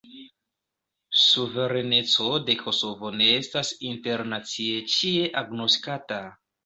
Suvereneco de Kosovo ne estas internacie ĉie agnoskata.